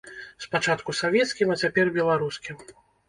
Спачатку савецкім, а цяпер беларускім.